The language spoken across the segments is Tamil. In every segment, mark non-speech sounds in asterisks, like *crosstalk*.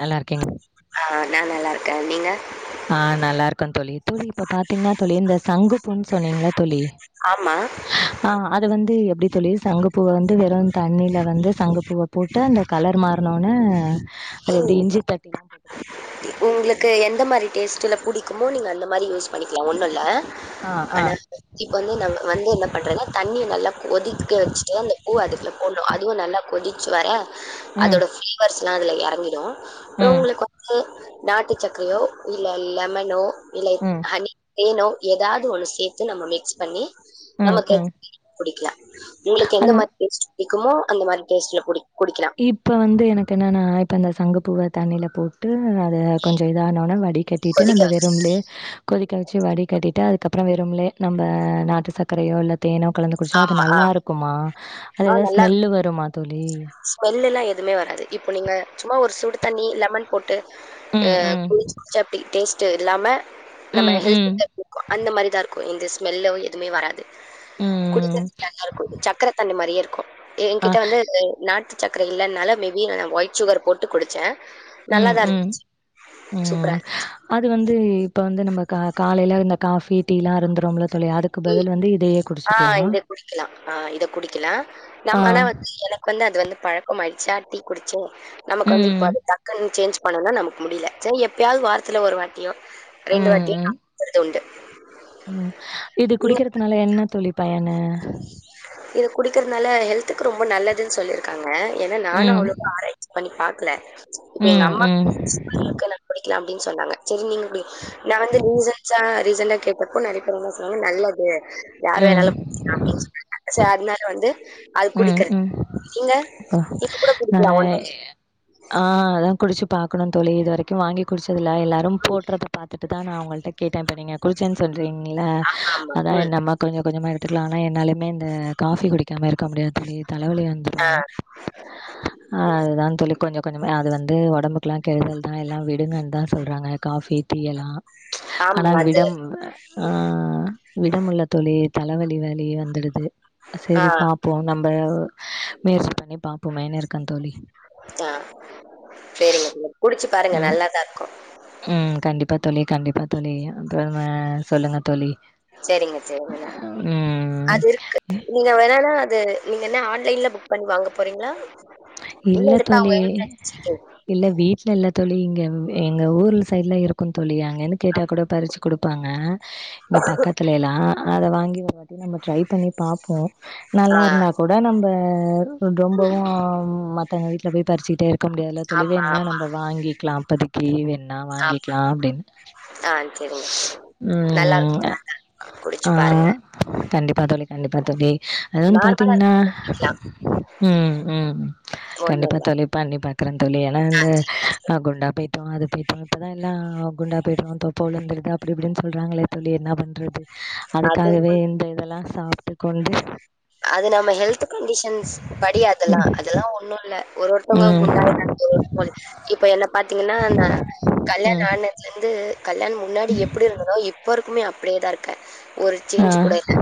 நல்லா இருக்கேங்க. அ நா நல்லா இருக்கே நீங்க ஆ நல்லா இருக்கே தோழி தோழி இப்ப பாத்தீங்கன்னா தோழி இந்த சங்கு பூன்னு சொன்னீங்கள தோழி ஆமா. ஆ அது வந்து எப்டி தோழி சங்கப்பூவ வந்து வெரு தண்ணியில வந்து சங்கப்பூவ போட்டு அந்த கலர் மாறுனோன்ன அது எப்டி ம். இஞ்சி தட்டிலாம் போட்டு குடுப்பீங்களா? உங்களுக்கு எந்த மாரி டேஸ்டுல புடிக்குமோ நீங்க அந்த மாரி யூஸ் பண்ணிக்கலா ஒன்னு இல்ல ஆ, ஆ. ஆனா இப்ப வந்து நா வந்து என்ன பண்றன்னா தண்ணிய நல்லா கொதிக்க வச்சுட்டு அந்த பூ அதுக்குல போடனு அது இதுவு நல்லா கொதிச்சி வர ம், அதோட ஃபிளிவர்ஸ் லா அதுல எறக் கிடு அப்ற ம், உங்ளுக்கு வந்து நாட்டு சக்கையோ இல்ல லெமனோ இல்ல ம், ஹனி தேனோ எதாது ஒன்னு சேத்து நம்ம மிக்ஸ் பண்ணி ம், நம்ம *inaudible* ம். குடிக்லா உங்ளுக்கு எந்த அது மாரி டேஸ்ட் புடிக்குமோ அந்த மாரி டேஸ்ட்ல குடி குடிக்கலாம். இப்ப வந்து எனக்கு என்னனா இப்ப அந்த சங்கு பூவ தண்ணியில போட்டு ம் அது கொஞ்சம் இத ஆனோனே வடி கட்டிட்டு கொதிக்க நம்ப வச்சு வெறும்ப்லே கொதிக்க வெச்சு வடி கட்டிட்டு அதுக்கப் அப்ற வெறும்லே நம்ப நாட்டு சக்கரையோ இல்ல தேனோ கலந்து குடிச்சா அது ஆமா ஆ நல்லாருக்குமா அது எதாது ஸ்மெல்லு வருமா தோழி ஸ்மெல்லுல்லா எதுமே வராது இப்போ நீங்க சும்மா ஒரு சுடு தண்ணி லெமன் போட்டு அ ம், ம். *unintelligible* டேஸ் ட்டு இல்லாம நம்ம ம், ம். ஹெல்த்து *inaudible* அந்த மாரிதார்க் இந்த ஸ்மெல்லோ எதுமே வராது ம். குடிக்கறத்துக்கு நல்லாருக்கு சக்கர தண்ணி மாரியேர் கொ அ. என்கிட்ட வந்து எலெய் நாட்டு சக்ர இல்லனால மேபி நா வய்ட் ஷுகர் போட்டு குடிச்ச ம் ம் ம் சூப்பரா அது வந்து இப்ப வந்து நம்ம கா காலைய்ல இந்த காஃபி டீலா ருந்துருங்கத் உம் ஆ இத குடிக்கிலா ஆ இத குடிக்கிலா ஆ. நம் ஆனா வந் எனக் வந்து அது வந்து பழ ஓ மல்ச்சாட்டி குடிச்சு நமக்கு வந்து ம். இப் அது டக்குன் சேஞ்ச் பன்னன நமக் முடில ச்சன் எப்யாவ்து வாரத்தத்துல ஒரு வாட்டியோ ம், ரெண்டு வாட்டி ம். ஆ குறுது உண்டு ம் இது நீங்க குடிக்கறத்துனால என்ன தோழி பயன இது குடிக்கிறதுனால ஹெல்த்துக்கு ரொம்ப நல்லதுன் சொல்லிர்க்காங்க அ ஏன்னா நானு ம் அவ்ளோக்கு ஆராய்ச்சி பண்ணி பாக் க்ல இப்ப எங்க ம் அம்மா ம் *inaudible* க்க ந புடிக்லாம் டின் சொன்னாங்க ச்சரி நீங்கு நா வந்து நூசன்சா ரீசண்டா கேட்டப்போ நெறையபேர் என்ன சொன்னாங்க நல்லது ம் யார்வேண்னாலும் அப்டின் அ சர் அதனால வந்து அது ம் குடிக்கிற ம் நீங்க ஆ நீங்க கூட நா குடிக்கலா ஒன்னு இல்ல பாக்கனு தோழி இது வரைக்கு வாங்கி குடிச்சு இதுல எல்லாரும் போட்றத பாத்துட்டு தா நா உங்கள்ட்ட கேட்ட இப்ப நீங்க குடிச்சன் தீங்ளா ஆமா அதா ம் நம்ம கொஞ்சோ கொஞ்சமா எடுத்துக்கலா ஆனா என்னாலுமே இந்த காஃபி குடிக்காம இருக் கமுடியா தோழி தலவலி வந்துடு ஆ அதுதா தோழி கொஞ்சோ கொஞ்சமா அது வந்து ஒடம்புக்குல்லா கெடுதல் தா எல்லா விடுங்கன் தா சொல்றாங்க காபி டீயலா ஆனா ஆமா அது விடம் ஆ விடமுட்ல தோழி தலவலி வலி வந்துடுது ஆ செரி பாப் இப்போ நம்ப முயற்சி பண்ணி பாப்போமேன்னிருக்கே தோழி ஆ சரிங்க தோழர் குடிச்சு பாருங்க ம் நல்லாதாருக்கூ ம் கண்டிப்பா தோழி கண்டிப்பா தோழி அப்றம் அ சொல்லுங்க தோழி செரிங்க செரிங்க அது இருக்கு ம் நீங்க வேணுன்னா அது நீங்க என்ன ஆன்லைன்ல புக் பண்ணி வாங்க போறீங்ளா இல்ல தோழி இல்ல வீட்ல இல்ல தோழி இங்க எங்க ஊரு சைட்ல இருக்கூ தோழி அங் வேணு கேட்டா கூட பறிச்சு குடுப்பாங்க இங்க பக்கத்துலேலா அத வாங்கி ஒருவாட் டி நம்ம ட்ரை பண்ணி பாப்போ ஆ நல்லாருந்தா கூட நம்ப ஆரு ருதொம்பவோம் மத்தவங்க வீட்ல போய் பறிச்சுடே இருக்க முடியாதுல தோழி ஆமா வேணுனா ஆமா நம்ம வாங்கிக்லா அப்போதக்கி வேண்னா ஆமா வாங்கிக்லா அப்டின் ஆ சரிங்க சரிங்க நல்லா இருக்கும் ம் குடிச்சு ஆ பாருங்க கண்டிப்பா தோழி கண்டிப்பா தோழி அது வந்து நார்மலா பாத்தீங்னா இருக்கும் குடிக்கலாம் ம் ம் ஒண்ணும் கண்டிப்பா இல்ல தோழி பண்ணி பாக்குறே தோழி ஏன்னா ஆ இந்த சரிங்க சரிங்க குண்டா போயிட்டோ அது போயிட்டோ இப்பதா எல்லா குண்டா போயிடூ தொப்பழுந்துறுது அப்டி இப்டின்னு சொல்றாங்களே தோழி என்ன பண்றது அது அதுக்காகவே இந்த இதெல்லா சாப்ட்டு கொண்டு அது நம்ம ஹெல்த் கண்டிஷ்ன்ஸ் படி அதெல்லா அதெல்லா ஒன்னூ ஒரு ஒருத்தவங்க ம் குண்டாய்றாங்களே *inaudible* இப்ப என்ன பாத்தீங்னா நா கல்யாண ம் ஆனதுலந்து கல்யாண் முன்னாடி எப்டிருந்ததோ இப்போருக் ப்பவ்மே அப்டியேதாருக் க ஒரு ஆ சேஞ்ச் கூட இல்ல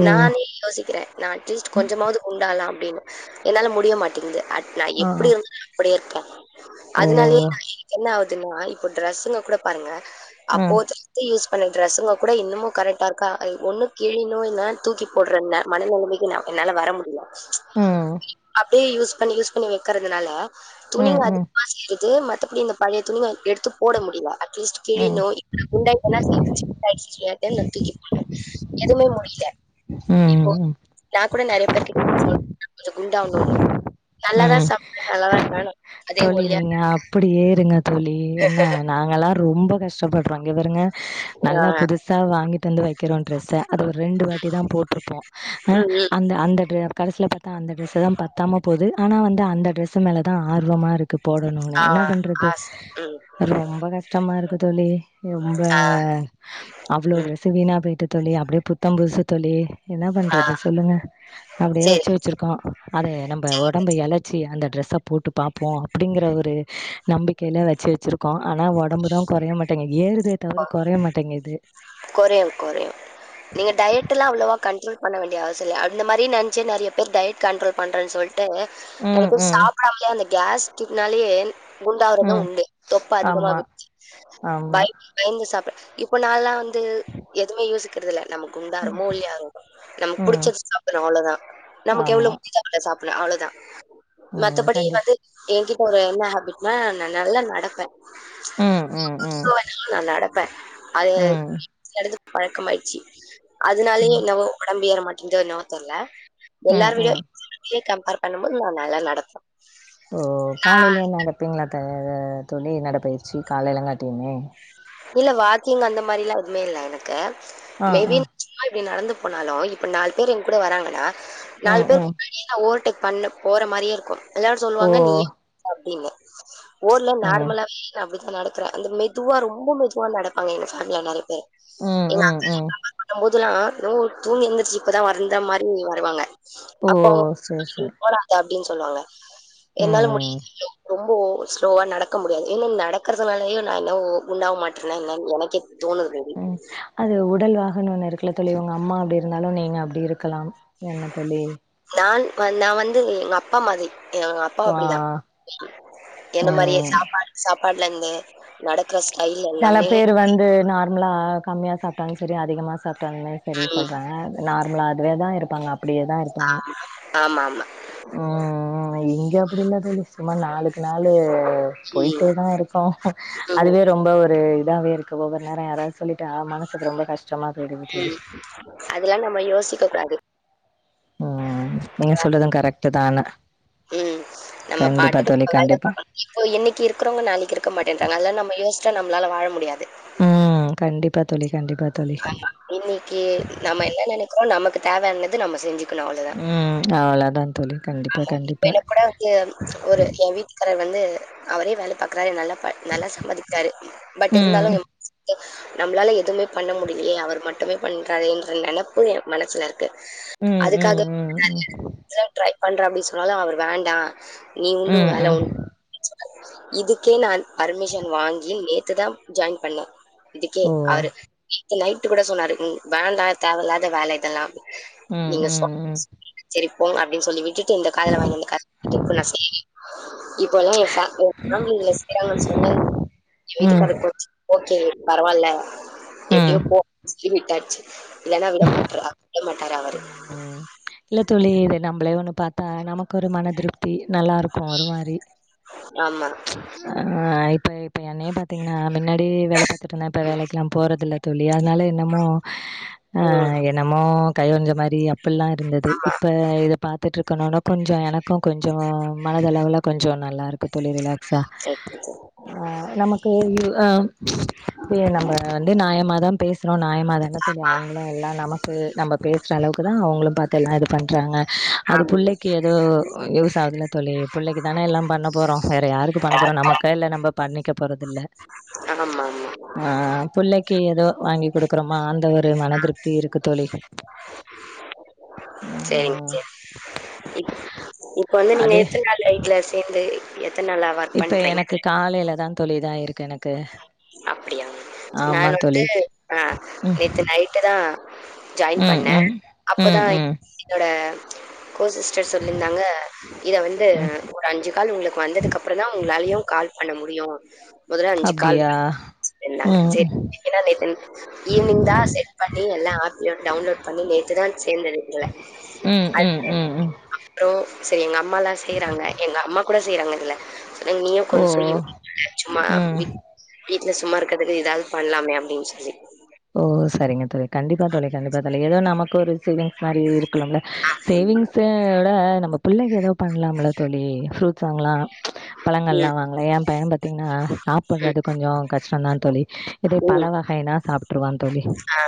ஓ நானே யோசிக்கிறே நா அட்லீஸ்ட் கொஞ்சமாவ்து குண்டாலா அப்டின்னு என்னால முடிய மாட்டிங்குது அட் நா ஆ எப்டிருந்தனோ அப்டியேருக்கே ஓ அத்னாலேயே *inaudible* என்ன ஆவுத் த்ங்னா இப்போ ட்ரெஸ்ஸுங்க கூட பாருங்க ம் அப்போதுலே இருந்து யூஸ் இப்ப நி டிரஷ்ங்கோ கூட இன்னமும் கரெக்டா இருக்கா அ ஒன்னு கிழியான்னு இல்லனா தூக்கி போடுற ந மனநிலைமைக்கு ந என்னால வர முடியல உம் ப்டே யூஸ் பண்ணி யூஸ் பண்ணி வெக்கிறதுனால ம் துணிங்க ம் அதிகமா சேருது த்தே மத்தபடி இந்த பழைய துணிகள எடுத்து போட முடியலா அட்லீஸ்ட் ம் கிழியான்னு *inaudible* குண்டாய்டானா *inaudible* டைட் ஸ்டிச்சிங் *unintelligible* நா தூக்கி போட்டே எதுவுமே முடியில இப்போ நா கூட நெறைய பேர் கிட்ட சொல் கொஞ்ச குண்டா அவனும்னு ம் நல்லாதா ம் சாப்பிட நல்லாதா *unintelligible* தோழி நீங்க அப்டி ஏறுங்க தோழி என்ன நாங்கல்லா ரொம்ப சொல்லலடறங்க இங்க பாருங்க ஆ நல்லா புதுசா வாங்கிட்டு வந்து வெக்கிறோ டிரஸ அதா ஒரு ரெண்டு வாட்டி தா போட்டிருப்போ ஆஹ் ம், ம். அந்த அந்த கடைசில பா தா அந்த டிரெஸ்தா பத்தாம போது ஆனா வந்து அந்த டிரஸ்மேலதா ஆர் வ்வமா இருக்கு போடணும்னே ஆ என்ன பண்றது ஆ சரி ம் ரொம்ப கஷ்டமா இருக்கு தோழி ரொம்ப ஆ அவ்ளோ ம் டிரஸ்சு வீணா போயிட்டு தோழி அப்டியே புத் த்தம் புதுசு தோழி என்ன ஆ பண்றது சொல்லுங்க அப்டியே சரி வச்சு வச்சிருக்கோ அத நம்ம உடம்பு எழச்சி அந்த டிரெஸ்ஸ போட்டு பாப் போ அப்டிங்கிற ஒரு நம்பிக்கையில வச்சு வச்சிருக்கோ ஆனா ஒடம்புதா கொறைய மாட்டேங்க ஏறுதே கொ தவிர கொறைய மாட்டேங்கிது கொறையும் கொறையும். நீங்க டயட்லாம் அவ்வளவா கண்ட்ரோல் *unintelligible* அந்த மாரி நெனைசி நெறய பேர் டையட் கண்ட்ரோல் பண்றன் சொல் ட்டு ம் அதுகொஸ் ம் சாப்புடாமையே *unintelligible* கேஸ் டிக்னாலயே குண்டாவறது ம் உண்டு தொப்ப ஆமா அதிகமாடுச்ச ஆமா பய பயந்து சாப்ர இப்போ நான்ல்லா வந்து எதுவுமே யோசிக்கிற துல்ல நம்ம குண்டாருமோ இல்லையா *unintelligible* நமக்கு ம் புடிச்சது சாப்பிடணு அவ்வளோதா நமக்கு எவ்ளோ ஆமா *unintelligible* சாப்பிடலா அவ்ளோதா ம் மத்தபடி கண்டிப் வந்து எங்கி ஒரு என்ன ஹாபிட் னா நா நல்லா நடப்பே ம் ம் ம் *unintelligible* நா நடப்பேன் அது ம் *unintelligible* பழக்கமாய்ச்சி அதுனாலயே ம் என்னவோ ஒடம்பு ஏற மாட் ந்தோ என்னவோ தெர்ல்ல ம் எல்லார் வீடு ம் கம்பேர் பண்ணும் போது நா நல்லா நடப்பே ஓ நா காலைய்லயு நடப்பிங்ளா அ தோழி நடப்பயிர் சி காலையலங்காட்டியுமே இல்ல வாக்கிங் அந்த மாரிலா எதுமே இல்ல எனக்கு ஆஹ் ஆஹ் அப்டி நடந்து போனாலு இப்ப நாலு பேர் எங் கூட வராங்கனா நாலு ம் பேர் ம் முன்னாடியே நா ஓட் டுப்பண்ணு போற மாரியேருக்கு எல்லாரு ஓ சொல்லுவாங்க நீ சாப்டின்னு ஓட்ல ம் நார்மலாவே நா அப்டி நடக்ற அந்த மெதுவா ரொம்ப மெதுவா நடப்பாங்க எங்க *unintelligible* ல நெறைய பேரு ம் ம் ம் இதுல்லா என்னவோ தூங்கி எந்திரிச்சு இப்பதா வந்த மாரி வருவாங்க ஓ சேர் சேரி அப்டின் சொல்லுவாங்க என்னால ம் முடியிலியோ ரொம்போ ஸ்லோவா நடக்க முடியாது *unintelligible* நடக் ரதுனாலயோ நா என்னவோ குண்டாவ மாட்றானா என்னனு எனக்கே தோணுது மேபி குன்னு ஒன்னு இருக்குல தோழி உங்க அம்மா அப்டி இருந்தாலு நீங்க அப்டி இருக்கலாம் என்னத் தோழி நான் நா வந்து எங்க அப்பா மாதி எங்க அப்பா ஆ அப்டிதா என்ன மாரியே ம் சாப்பாடு சாப் பாட்லந்து நடக் செல பேர் வந்து நா லாக் கம்மியா சாப்பிட்டாலு சரி அதிகமா சாப்பிட்டாலுமே சரி சொல்றாங்க நார்மலா அதுவேதா இருப்ப பங்கப் ஆ ஆமா ஆமா ம் ம் இங்க அப்டி இல்ல தோழி சும்மா நாளுக்கு நாளு ம் போய்ட்டேதா இருக்கு ம் அதுவே ரொம்ப ஒரு இதாவே இருக்கு ஒவ்வொரு நேரோ யாராஸ் சொல்லிட்டா மனசுக்கு ரொம்ப கஷ்டமா போயிடுது தோழி ம் து ம் நீங்க சொல்றது கரெக்ட் தா ஆனா ம் நம்ம கண்டிப்பா பாட்டுக்கு தோழி நம்ம வேல கண்டிப்பா பண்ணணு இப்போ இன்னிக்கி இருக்குறவங்க நாளைக்கு இருக்க மாட்டேன்றாங்க அதெல்லா நம்ம யோசிச்ச நம்மளால வாழ முடியாது ம் கண்டிப்பா தோழி கண்டிப்பா தோழி ஆமா இன்னிக்கு நம்ம என்ன நினைக்கிறோ நமக்கு தேவயானத நம்ம செஞ்சுக்கணு அவ்ளோதா, ம் அவ்ளோதா தோழி கண்டிப்பா ஆமா கண்டிப்பா எனக்கூட வந்து ஒரு ஏ வீட்டுக்காரர் வந்து அவரே வேல பாக்றாரு என்னால ப நல்லா சம்பாதிக்கிறாரு பட் ம் இருந்தாலு *inaudible* நம்பளால எதுமே பண்ண முடியலயே அவர் மட்டுமே பண்றாரே என்ற நெனப்பு என் மனசுல இருக் ம், ம், ம், ம் பண்ற அப்டின்னு சொன்னாலு அவரு வேண்டா நீ உண்டு உ ம் வேல ம் உண்டு அப்டின்னு இதுக்கே நான் பர்மிஷன் வாங்கி நேத்துதா ஜாயின் பண்ணே இதுக்கே ஓ அவரு த்த லைட்டு கூட சொன்னாரு ம் வேண்டா தேவையில்லாத வேல இதெல்லா ம் நீங்க சோ ம் ச்சரி போங் அப்டின் சொல்லி விட்டுட் ட்டு இந்த காதல வாங்கிந்து காத் வீட்டுக் ஃபுல்லா சரிடி இப்போ யெல்லா எ ஃபே ஓ ஃப்ரம் லில்லஸ் எடா மேம் சொன்னல்ல எ ம் வீட்டுக்காரு கோச்சி ஓக்கே பரவால்ல ம் எப்டியோ ம் போ சரி விட்டாச்சு இல்லன்னா விட மாட்றா விட மாட் ம் ம் இல்ல தோழி இதி நம் விலை ஒன்னு பாத்தா நமக் கொரு மன த்ருப்தி நல்லாருக்கோ ஒரு மாரி ஆமா ஆ இப்பய் ப்ப என்னையே பாத்தீங் நான் மின்னாடி வேல பாத்துட்டுருந்நே இப்ப வேலைக்கலா போறதில்ல தோழி அதுனால என்னமோ ஆ ம் என்னமோ கை ஒஞ்ச மாரி அப்புல்லா இருந்துது இப்ப இத பாத்துட்ருக்கணுன்னா கொஞ்சோ எனக்கும் கொஞ்சோம் மனதளவுல கொஞ்சோ நல்லா க்கு தோழி ரிலாக் ஸா சரி சரி அ நமக்கு யூ ஆ ம் ப்பயே நம்ப வந்து நாய மாத் தா பேச னோ நாயாயமா தான தோழி அவங்களும் எல்லா நமக்கு நம்ப பேசுற அளவுக்கு தா அவங்களும் பாத் இதெல்லா இது பண்றாங்க அது ஆமா புள்ளைக்கு எதோ யூஸ் ஆதுல்ல தோழி பிள்ளைக்கு தான எல்லா பண்ண போறோ வேற யாருக்கு பண்ண போறோ நமக்கா இல்ல நம்ப பண்ணிக்க போறதில்ல ஆமமா ஆமா கு ஏதோ வாங்கி குடுக்கறமா அந்த ஒரு மனதிருப்தி இருக்கு தோழி செரிங் ம் செரிங் இப் இப்ப வந்து நீங்க அது எத்தன் நாள் வீட்ல சேந்து எத்தன நாளா ஒர்க் இப்ப பண்றீங்க எனக்கு காலைலதா தோழி இதாயிருக்கு எனக்கு நா ஆமா வந்து தோழி ஆ ம் நேத்து நைட்டுதா ஜாய்ன் ம் பண்ணே ம் ம் அப்பதா ம் என்னோட கோ சிஸ்டர் சொல்லிருந்தாங்க இத வந்து ம் ஒரு அஞ்சு கால் உங்ளுக்கு வந்ததுக்கு அப்றந்தா உங்ளாலயு கால் பண்ண முடி யு அப்டியா ம் என்ன நேத்து ஈவ்னிங் தா செட் பண்ணி எல்லா ஆப்ப டவுன்லோட் பண்ணி நேத்துதான் சேந்துது இதுல ம் அ ம் ம் ம் அப்றோ செரி எங்கம் *unintelligible* செய்றாங்க எங்க அம்மா கூட செய்றாங்க இதுல நீயு ஓ கொஞ்சோ செய்யச்சும்மா ம் வீ்ட்ல சும்மா இருக்குறதுக்கு ஏதாவது பண்லாமே அப்படின்னு சொல்லி ஓ சரிங்க தோழி கண்டிப்பா தோழி கண்டிப்பா தோழி ஏதோ நமக்கு போது சேவிங்ஸ் மாரி இருக்கனும்ல சேவிங்ஸ் ஓட நம்ம பிள்ளைக்கு ஏதோ பண்லாம்ல தோழி ஃப்ரூட்ஸ் வாங்கலா ப்ச் பழங்கள்லா ம், வாங்லா என் பைய்ய பாத்தீங்ன்னா ம், சாப்புட்றது கொஞ்சோ கஷ்டோந்தா தோழி இதே பல ம். வகைனா சாப் விட்ருவான் தோழி ஆ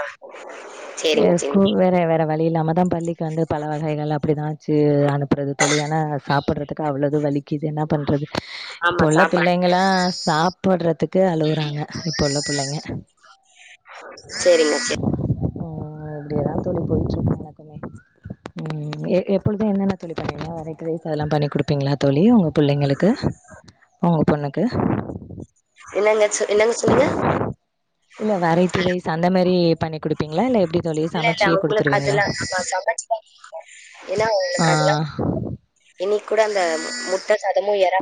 சரிங்க, சரிங்க. ஏஸ்கூல் வேறே வேற வழி இல்லாம தான் பள்ளிக்கு வந்து பல வகைகள் அப்டி தான் வச்சு அனுப்புறது தோழி ஏனா சாப்பிட்றதுக்கு அவ்ளோது வலிக்கிது என்னா பண்றது இப்ப ஆமா உள்ள சாப்பாடு. பிள்ளைங்களா சாப் போட்றதுக்கு அழுவுறாங்க இப்ப உள்ள புள்ளைங்க சேரிங்க சே உ இப்டியதான் தோழி போயிட்டு இருக்குமே உம் எப்பொழுதான் என்னென்ன தோழி *unintelligible* அதெல்லாம் பண்ணி குடுப்பீங்களா தோழி பிள்ளைங்களுக்கு உங்க பொண்ணுக்கு க்கு என்னங்காச்சு என்னங்க சொன்னீங்க இல்ல வேற பிரைஸ் அந்த மாரி பண்ணி கொடுப்பீங்களா இல்ல எப்படி தோழி இல்ல இல்ல சமைச்சியே அவங்களுக்கு குடுத்துருவீங்களா அதெல்லா நம்ம சமைச்ச ஏன்னா அவங்களுக்கு அதெல்லா ஆ இன்னிக்கு கூட அந்த முட்டை சாதமு எறா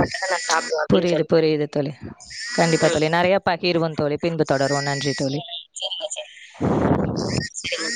மட்டும் தான் நான் சாப்பிடுவேன் அப்டின்னு புரியுது சொல்லின் புரியுது தோழி கண்டிப்பா உம் தோழி நெறைய பகிர்வோம் தோழி பின்பு தொடரும்வோம் நன்றி தோழி சரி, சரிங்க.